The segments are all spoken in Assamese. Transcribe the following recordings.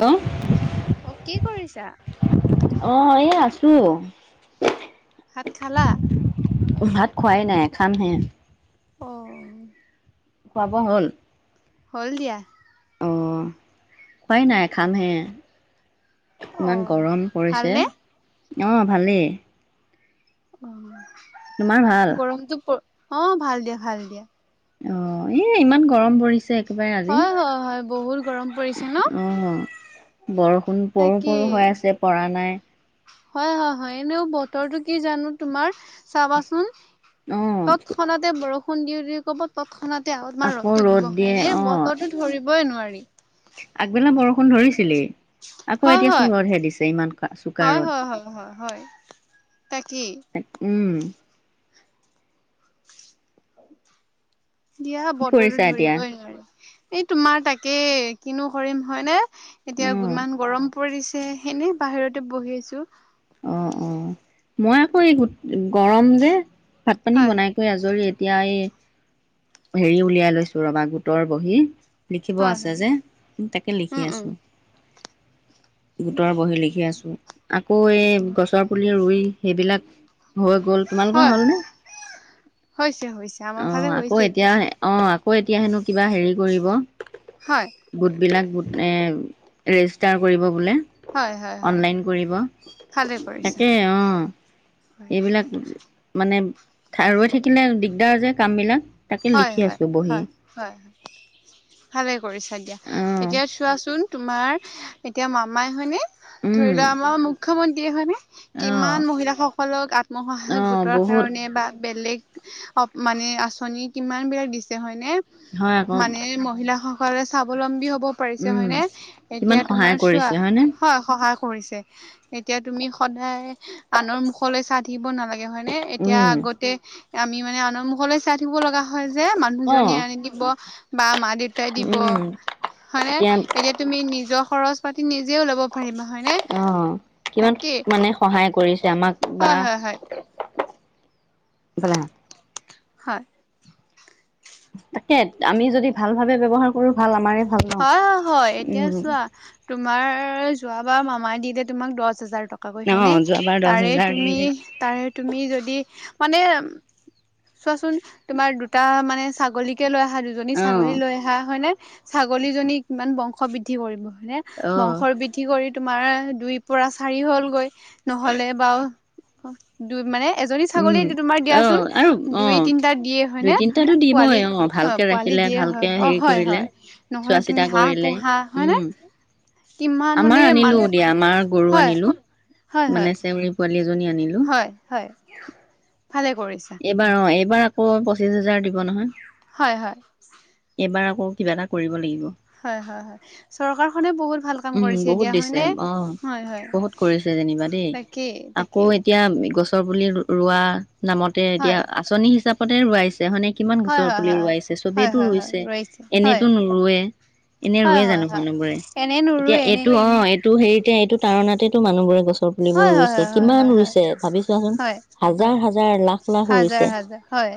হেল্লো, অ কি কৰিছা অ এ আছোঁ। তু ভাত খালা? ভাত খোৱাই নাই খাম হে। অ। খুৱা বোৱা হ'ল? হ'ল দিয়া। অ খোৱাই নাই খামহে। অ ইমান গৰম পৰিছে। ভালনে অ অৱ ভালেই। অ তোমাৰ ভাল? গৰমটো অ ভাল দিয়া ভাল দিয়া। অ এ ইমান গৰম পৰিছে। একেবাৰে আজি হয় হয় হয় বহুত গৰম পৰিছে ন, অ'। বৰষুণ পৰো তাকে। পৰো হৈ আছে পৰা নাই হয় হয় হয় এনেও বতৰটো কি জানো তোমাৰ চাবাচোন অ' তৎক্ষণাতে বৰষুণ দিওঁ দিওঁ কব, তৎক্ষণা তে তোমাৰ আকৌ ৰ'দটো ৰ'দ বহেনে। দিয়ে এনেই অ' বতৰটো ধৰিবই নোৱাৰি। আগবেলা বৰষুণ ধৰিছিলেই, আকৌ হয় এতিয়াচোন হয় ৰ'দহে দিছে ইমান চোকা হয় হয় হয় হয় হয় তাকেই ৰ'দ। উম। দিয়া কি বতৰটো কৰিছা এতিয়া? ধৰিবই নোৱাৰি, এই তোমাৰ তাকে কিনো কৰিম হয়নে? এতিয়া অ' ইমান গৰম পৰিছে এনে বাহিৰতে বহি আছোঁ। অৱ অৱ মই আকৌ এই গৰম যে ভাত পানী হয় হয় বনাই কৰি আজৰি এতিয়াই হেৰি, উলিয়াই লৈছো ৰবা গোটৰ বহি লিখিব হয় আছে হয় যে তাকে উম লিখি উম আছো। গোটৰ বহি লিখি আছো। আকৌ এই গছৰ পুলি ৰুই সেইবিলাক হৈ গল তোমালোকৰ হয় হলনে? হৈছে হৈছে আমাৰ অঁ ফালে আকৌ হৈছে এতিয়া দিয়া অঁ আকৌ এতিয়া হেনো কিবা হেৰি কৰিব, হয় গোটবিলাক গোট এ ৰেজিষ্টাৰ কৰিব বোলে, হয় হয় হয় অনলাইন কৰিব। ভালে কৰিছা তাকে অ হয় এইবিলাক মানে ৰৈ থাকিলে দিগদাৰ যে কাম বিলাক। হয় হয় হয় হয়। ভালে কৰিছা দিয়া অঁ এতিয়া চোৱাচোন তোমাৰ এতিয়া মামাই হয়নে ধৰি উম লোৱা আমাৰ মুখ্যমন্ত্ৰীয়ে হয়নে? অঁ কিমান মহিলাসকলক আত্মসহায়ক অঁ গোটৰ বহুত কাৰণে বা বেলেগ অ মানে আচনি কিমান বিলাক দিছে হয়নে হয় আকৌ মানে মহিলা সক কলে স্বাৱলম্বী হব পাৰিছে উম হয় নে? কিমান এতিয়া তোমাৰ সহায় চোৱা কৰিছে হয়নে হয় সহায় কৰিছে এতিয়া তুমি সদায় আনৰ মুখলৈ চাই থাকিব নালা গে হয় নে? এতিয়া উম আগতে আমি মানে আনৰ মুখলৈ চাই থাকিব লগা হ যে অঁ মানুহজনীয়ে আনি দিব বা মা দেউতাই দিব উম হয়নে এতিয়া তুমি নিজৰ খৰচ পাতি নিজে ওলাব পাৰিবা । অ কিমান মানে সহায় কৰিছে আমাক বা হয় হয় হয় এইফালে আহা । হয় । তাকে আমি যদি ভাল ভাবে ব্যৱহাৰ কৰো ভাল আমাৰে ভাল ন হয়-হয় এতিয়া উম চোৱা তোমাৰ যোৱাবাৰ মামাই দিলে তোমাক দচ হাজাৰ টকাকৈ হয় নে অঁ যোৱাবাৰ দহ তাৰে হেজাৰ তুমি দিলে তাৰে তুমি যদি মানে চোৱাচোন তোমাৰ দুটা মানে ছাগলীকে লৈ আহা দুজনী অঁ ছাগলী লৈ অহা হয় নে ছাগলীজনী কিমান বংশ বৃদ্ধি কৰিব মানে অঁ বংশৰ বৃদ্ধি কৰি তোমাৰ দুই পৰা চাৰি হ'লগৈ নহলে বাৰু দুই মানে এজনী ছাগলী উম তোমাৰ অঁ আৰু দিয়াচোন দুই অঁ তিনটা দিয়ে দুই হয়নে তিনটাতো দিবই পোৱালি অ ভালকে পোৱালি । ৰাখিলে দিয়ে ভালকে হয় অ হেৰি কৰিলে হয়-হয় চোৱা নহ'লে চিতা তুমি হাঁহ কৰিলে পোহা হয় নে? উম কিমান আমাৰ মানে আনিলো মানুহ দিয়া আমাৰ গৰু আনিলো মানে হয়-হয়-হয় চেউৰী পোৱালি এজনী আনিলো হয়-হয় । ভালে কৰিছা । এইবাৰ অ এইবাৰ আকৌ পঁচিশ হাজাৰ দিব নহয়? হয়-হয় । এইবাৰ আকৌ কিবা এটা কৰিব লাগিব । হয়-হয়-হয় চৰকাৰখনে বহুত ভাল কাম উম কৰিছে বহুত দিয়া হয় দিছে নে অ হয়-হয়? বহুত কৰিছে যেনিবা দেই আকৌ এতিয়া গছ ৰ বুলি ৰোৱা নামতে হয় এতিয়া আঁচনি হিচাপতে ৰুৱাইছে ছে হয়নে কিমান হয় গছৰ হয় পুলি হয় ৰোৱাইছে হয় চবেইেতো হয় হয় ৰুইছে ৰৈছে হয় এনেইতো নোৰুৱে । এনেই হয় ৰোৱে হয় জানো হয় মানুহবোৰে এনে এতিয়া নোৰোৱে এনে এইটো অ এইটো হেৰি এইটো তাৰণতেটো মানুহবোৰে গছ ৰ পুলিবোৰ হয় হয় ৰুইছে হয় হয় কিমান হয় হয় ৰুইছে ভাবিছোৱাচোন হাজাৰ হাজাৰ লাখ লাখ ৰুইছে হাজাৰ-হাজাৰ হয়,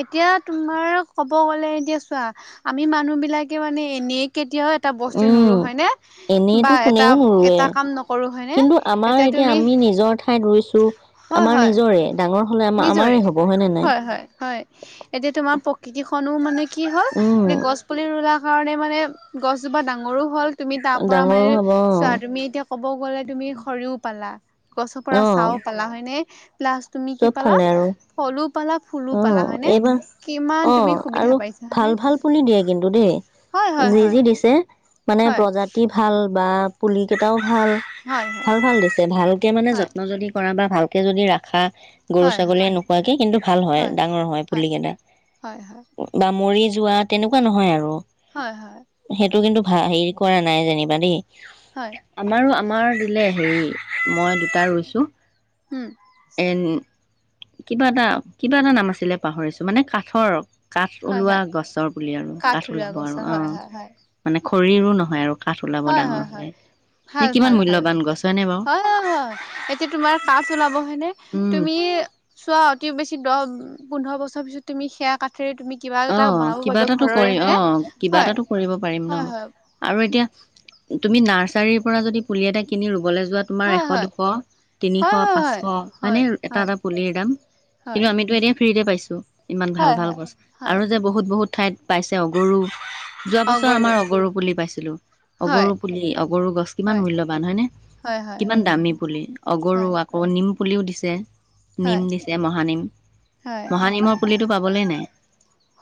এতিয়া তোমাৰ ক'ব গ'লে এতিয়া চোৱা আমি মানুহবিলাকে মানে এনে কেতিয়াও এটা বস্তু উম নুৰো হয়নে বা এনেইতো কোনেও নোৰোৱে এটা-এটা কাম নকৰো হয়নে? কিন্তু আমাৰ এতিয়া আমি নিজৰ ঠাইত ৰুইছো হয় আমাৰ নিজৰে ডাঙৰ হলে আমাৰ আমাৰ হ'ব হয় নে নাই হয়-হয়-হয় এতিয়া তোমাৰ প্ৰকৃতিখনো মানে কি হল উম এ গছ পুলি ৰুলা কাৰণে মানে গছজোপা ডাঙৰো হ'ল । তুমি তাৰ পৰা ডাঙৰো মানে হ'ব অ চোৱা তুমি এতিয়া ক'ব গ'লে তুমি খৰিও পালা । গছৰ পৰা অ', ছাঁও পালা হয় নে প্লাছ তুমি কি চব পালা ফালে আৰু ফলো পালা ফুলো পালা অ', হয়নে এইবাৰ, কিমান অ, তুমি সুবিধা আৰু পাইছা হয়নে ভাল-ভাল পুলি দিয়ে কিন্তু দে। হয় হয় যি হয় যি দিছে, মানে প্ৰজাতি ভাল বা পুলিকেইটাও ভাল, হয় ভাল-ভাল দিছে, ভালকে মানে হয় হয় যত্ন যদি কৰা বা ভাল কে যদি ৰাখা, গৰু হয় হয় ছাগলীয়ে নোখুৱাকে কিন্তু ভাল হয় ডাঙৰ হয় পুলি কেইটা, হয় বা মৰি যোৱা তেনেকুৱা নহয় আৰু। হয়, হয় এইটো কিন্তু ভা হেৰি কৰা নাই যেনিবা দে। হয় আমাৰো-আমাৰ দিলে, হেৰি মই দুটা ৰুইছো। উম এ কিবা এটা, কিবা এটা নাম আছিলে পাহৰিছো, মানে কাঠৰ কাঠ হয় ওলোৱা হয় গছৰ পুলিয়া, কাঠ ওলোৱা ওলাব আৰু গছৰ অ, হয় হয় হয় মানে খৰিৰো নহয় আৰু কাঠ ওলাব হয়, ডাঙৰ হয়, হয়, হলে এ ভাল, কিমান ভাল, ভাল মূল্যবান গছ হয়নে বাৰু হয়, হয়, এতিয়া তোমাৰ কাঠ ওলাব হয়নে, উম তুমি চোৱা অতি বেছি দহ, পোন্ধৰ বছৰ পিছত তুমি সেয়া কা [unintelligible] কিবা অ এটা বনাব কিবা পাৰিবা এটাটো ঘৰৰে কৰি অ হয়নে, কিবা হয়, এটাটো কৰিব পাৰিম ন হয়। আৰু এতিয়া, তুমি নাৰ্চাৰিৰ পৰা যদি পুলি এটা কিনি ৰুবলৈ যোৱা তোমাৰ হয়, এশ হয়, দুশ, তিনিশ, হয়, পাঁচশ হয়, মানে এটা হয়। এটা পুলিৰ দাম। হয়, কিন্তু আমিতো এতিয়া ফ্ৰীতে পাইছো, ইমান ভাল হয়, হয়, হয়, ভাল হয়, গছ। হয়, আৰু যে বহুত বহুত ঠাইত পাইছে অগৰু যোৱা বছৰ আমাৰ অগৰু পুলি পাইছিলো, হয়, অগৰু পুলি অগৰু গছ, কিমান হয়, মূল্যবান হয়নে? হয়, হয়, কিমান দামী পুলি, হয়, অগৰু আকৌ নিম পুলিও দিছে, হয়, নিম দিছে মহানিম, মহানিমৰ পুলিটো পাবলৈই নাই।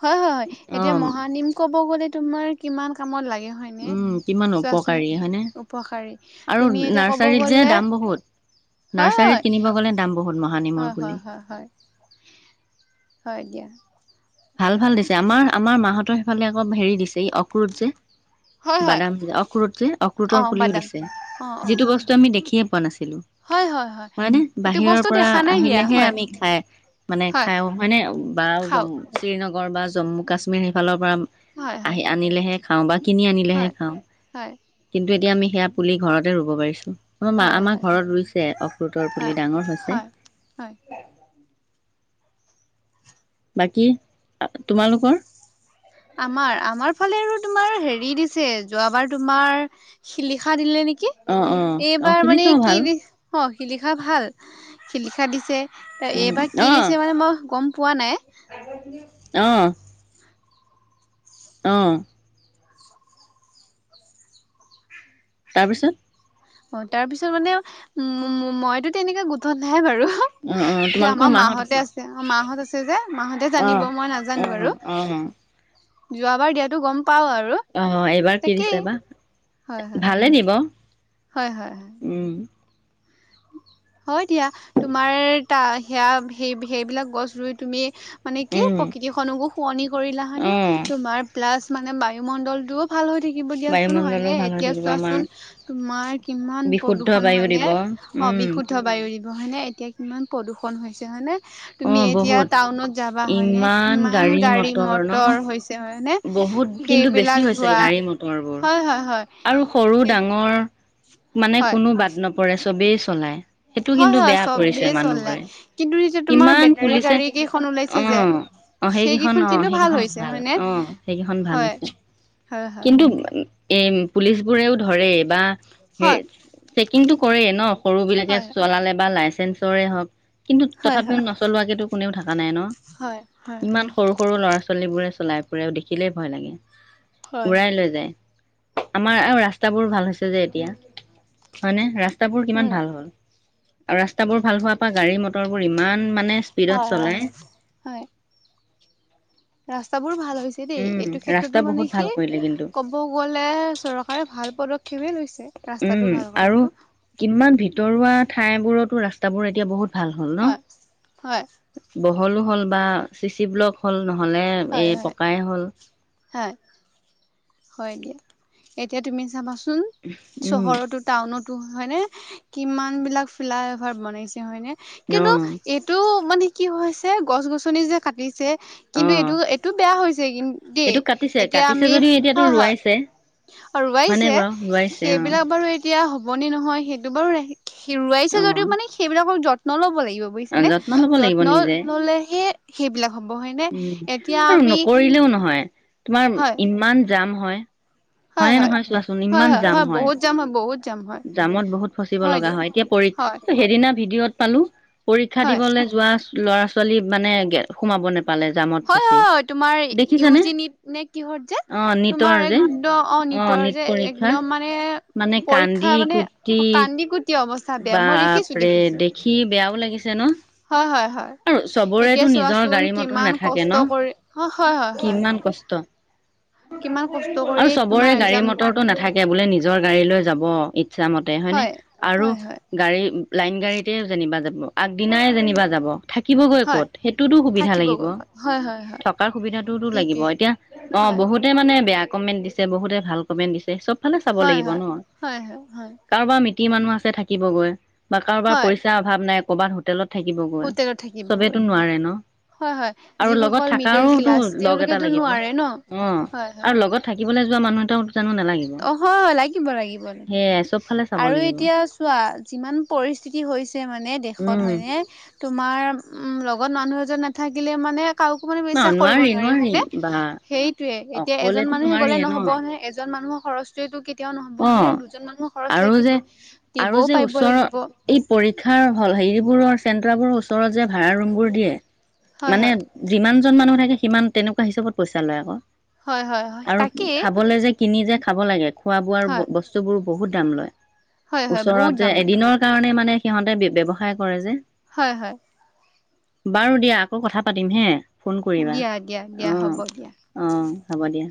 হয় হয় হয়, অ এতিয়া মহানিম কব গ'লে তোমাৰ কিমান কামত লাগে হয় নে, উম কিমান চোৱাচোন উপকাৰী হয়নে উপকাৰি, আৰু তুমি এতিয়া ক'ব নাৰ্চাৰীত যে গ'লে দাম বহুত নাৰ্চাৰীত কিনিব গ'লে দাম বহুত মহানিমৰ হয় পুলি হয়। হয় দিয়া। ভাল ভাল দিছে আমাৰ-আমাৰ মাহতৰ সেইফালে আকৌ হেৰি দিছে ই অক্ৰোত যে হয় হয় বাদাম যে অক্ৰোত যে অ অক্ৰোতৰ পুলিও বাদাম দিছে, অ অ যিটো বস্তু আমি দেখিয়ে পোৱা নাছি হয় হয়। হয় হয়নে, সেইটো বাহিৰৰ বস্তু পৰা দেখা নাই দিয়া আহিলেহে হয় আমি খাই মানে হয় খায়ও হয়নে, বা খাওক জম নগৰ বা জম্মু কাশ্মীৰ সেইফালৰ পৰা, হয় হয় আহি আনিলেহে খাওঁ বা কিনি আনিলেহে হয় খাওঁ, হয় কিন্তু এতিয়া আমি সেয়া পুলি ঘৰতে ৰুব পাৰিছোঁ। অ', মা হয় আমাৰ হয় ঘৰত ৰুইছে, অক্ৰোটৰ পুলি হয় ডাঙৰ হৈছে। হয় হয় বাকী তোমালোকৰ? আমাৰ আমাৰ ফালে আৰু তোমাৰ হেৰি দিছে, যোৱাবাৰ তোমাৰ, শিলিখা দিলে নে কি, অ অ অ এইবাৰ মানে শিলিখাও কি ভাল দি [unintelligible] শিলিখা ভাল, শিলিখা দিছে, উম এইবাৰ কি অ দিছে মানে মই গম পোৱা নাই। অ', অ', তাৰপিছত অ', তাৰপিছত মানে উম, মইতো তেনেকুৱা গোটত নাই বাৰু। অ অ কিন্তু তোমালোকৰ আমাৰ মাহত মাহঁতে আছে, মাহঁত আছে যে মাহঁতে জানিব অ', মই নাজানো বাৰু। অ', অ', যোৱাবাৰ দিয়াতো গম পাওঁ আৰু, অ', এইবাৰ কি দিছে তাকেই, বা? হয় হয়। ভালে দিব, হয়, হয়। উম, হয় দিয়া, তোমাৰ তা সেয়া সেই-সেইবিলাক গছ ৰুই তুমি মানে কি উম, প্ৰকৃতি খনকো শুৱনি কৰিলা হয়নে, অ', তোমাৰ প্লাছ মানে বায়ুমণ্ডলটোও ভাল হৈ থাকিব দিয়াচোন বায়ুমণ্ডলো হয়নে ভাল হৈ এতিয়া থাকিব আমাৰ, চোৱাচোন, তোমাৰ কিমান বিশুদ্ধ প্ৰদূষণ বায়ু দিব, হয়নে? অ', উম, বিশুদ্ধ বায়ু এৰিব হয়নে এতিয়া কিমান প্ৰদূষণ হৈছে হয়নে? তুমি অ', এতিয়া বহুত, টাউনত যাবা হয় নে, কিমান গাড়ী মটৰ হৈছে হয় নে? বহুত কিন্তু বেছি সেইবিলাক হৈছে ধোৱা গাড়ী মটৰবোৰ, আৰু সৰু হয়-হয়-হয়। ডাঙৰ মানে কোনো বাদ নপৰে চবেই চলায়। সেইটো হয় কিন্তু হয় বেয়া চবেই কৰিছে চলাই মানুহবোৰে। কিন্তু এতিয়া তোমাৰ কিমান বেটাৰী পুলিছে গাড়ী কেইখন ওলাইছে যে অ', অ', সেইকেইখন অ', সেইকেইখন ভাল অ', সেইকেইখন ভাল হৈছে। হয়-হয়। কিন্তু এই পুলিচ বোৰেও ধৰে বা হে হয় চেকিংটো কৰে ন সৰু বিলাকে হয় চলালে বা লাই হওঁক কিন্তু হয় হয় তথাপিও নচলোৱা কেতো কোনেও থাক থকা নাই ন? হয় হয় ইমান সৰু-সৰু ল'ৰা ছোৱালী বোৰে চলাই ফুৰেও দেখিলেই ভয় লাগে। হয় উৰাই লৈ যায়। আমাৰ আৰু ৰাস্তাবোৰ ভাল হৈছে যে এতিয়া, হয়নে? ৰাস্তা ৰাস্তাবোৰ কিমান উম ভাল হল আৰু ৰাস্তাবোৰ ভাল হোৱাৰ পা গাড়ী মটৰ ইমা ইমান মানে হয় স্পীডত হয় হয় চলায়। হয় ৰাস্তাবোৰ ভাল হ'ল। হৈছে দেই উম এইটো ৰাস্তা ক্ষেত্ৰতো মানে বহুত কি ভাল কৰিলে কিন্তু ক'ব গ'লে চৰকাৰে ভাল পদক্ষেপ খেৱে লৈছে। ৰাস্তাটো উম', ভাল আৰু কৰাটো কিমান ভিতৰুৱা ঠাই বোৰতো ৰাস্তাবোৰ এতিয়া বহুত ভাল হ'ল ন হয়, হয়। বহলো হ'ল বা চি-চি ব্লক হ'ল নহয়? হ'লে হয় এই হয় পকাই হ'ল। হয় হয় দিয়া এতিয়া তুমি চাবাচোন, উম, চহৰতো টাউনত হয়নে কিমান বিলাক ফিলাই অভাৰ বনাইছে হয়নে কিন্তু অ', এইটো মানে কি হৈছে গছ গছনি যে কাটিছে কিন্তু অ', এইটো-এইটো বেয়া হৈছে কি দেই, কাটিছে এতিয়া কাটিছে আমি যদিও এতিয়াতো এইটো হয় হয় ৰোৱাইছে। হয়নে ৰুৱাইছে বাৰু ৰোৱাইছে অ', সেইবিলাক বাৰু এতিয়া হ'বনে নহয় সেইটো বাৰু হেৰুৱাই ৰুৱাইছে যদিও মানে সেইবিলাকৰ যত্ন ল'ব লাগিব অ', বোজিছেনে যত্ন ল'ব লাগিব যত্ন নিজে। ল'লে হে সেইবিলাক হ'ব। সম্ভৱ হয় নে এতিয়া আৰু আমি নকৰিলেও নহয় তোমাৰ হয় ইমান জাম হয়, হয় হয়নে হয় নহয় চোৱাচোন হয় ইমান জাম হয়। বহুত জাম বহুত জাম হয় জামত বহুত ফচিব লগা হয় এতিয়া পৰিখ হয় সেইদিনা ভিডিঅত পালোঁ পৰীক্ষা হয় দিবলৈ যোৱা ল'ৰা ছোৱালী মানে সোমাব নাপাই। হয়-হয়-হয় তোমাৰ ইউজি নিত নে কিহত যে অ নিটৰ তোমাৰ যে একদম অ নিতৰ নিট যে পৰীক্ষাৰ একদম মানে মানে পৰীক্ষা কান্দি মানে কুটি কান্দি কুটি অৱস্থা বেয়া মই বাপৰে দেখি বেয়া বেয়াও লাগিছে ন? হয়-হয়-হয়। আৰু এতিয়া চবৰেতো নিজৰ চোৱাচোন গাড়ী মটৰ কিমান নাথাকে ন কষ্ট কৰি অ', হয়-হয়-হয়। কিমান কষ্ট আৰু চবৰে তোমাৰ গাড়ী এক্জাম মটৰটো নাথাকে, বোলে নিজৰ গাড়ী লৈ যাব ইচ্ছা মতে হয়নে? হয় আৰু হয় হয় গাড়ী লাইন গাড়ীতে যেনিবা যাব আগদিনাই যেনিবা যাব। থাকিবগৈ হয় ক'ত সেইটোতো সুবিধা লাগিব। থাকিবগৈ হয় হয় হয় থকাৰ সুবিধাতটোতো লাগিব। সেইটোৱে এতিয়া অ', হয় বহুতে মানে বেয়া কমেণ্ট দিছে বহুতে ভাল কমেণ্ট দিছে চব ফালে চাব লাগিব ন? হয়-হয়-হয়। মিতি মানুহ আছে থাকিবগৈ বা কাৰোবাৰ হয় পইচাৰ অভাৱ নাই কৰ'বাত হোটেলত থাকিবগৈ, হোটেলত চবেতো থাকিবগৈ নোৱাৰে ন? হয় হয় আৰু লগত যিসকল মিডল থাকাৰোতো ক্লাছ লগ এটা তেওঁলোকেতো লাগিব নোৱাৰে ন অ', হয় আৰু হয় লগত থাকিবলৈ যোৱা মানুহএটাও অ হ লাগিব লাগিব। সেয়াই চব ফালে চাব আৰু লাগিব। এতিয়া চোৱা যিমান পৰিস্থিতি হৈছে মানে দেশত উম হয়নে তোমাৰ উম লগত মানুহ এজন নাথাকিলে মানে। কাওকে মানে বিশ্বাস কৰিব নোৱাৰি হয়নে, সেইটোয়ে এতিয়া এজন অকলেতো মানুহে গ'লে নোৱাৰিয়ে ন নহ'ব নহয় এজন মানুহক। খৰচটোৱেতো কেতিয়া। এতিয়াও নহ'ব অ হয়নে দুজন মানুহ খৰচ আৰু লাগিব যে আৰু দিবও যে পাৰিব লাগিব এই পৰীক্ষাৰ হল বাহিৰৰ বোৰৰ চেন্টাৰ বোৰ ওচৰৰ যে ভাড়া ৰোম বোৰ দিয়ে হয় মানে হয় যিমান। যিমান মানুহ থাকে সিমান তেনেকুৱা হিচাবত পইচা লৈ আকৌ হয় হয় হয় আৰু তাকেই খাবলৈ যে কিনি যে খাব লাগে খোৱা বোৱা হয় বস্তুবোৰ বহুত দাম লয় হয় হয় ওচৰত বহুত যে দাম লয় এদিনৰ কাৰণে মানে। মানে সিহঁতে ব্যৱসায় কৰে যে। হয় হয় বাৰু দিয়া আকৌ কথা পাতিম হে ফোন কৰিবা দিয়া দিয়া দিয়া অঁ হ'ব দিয়া। অঁ হ'ব দিয়া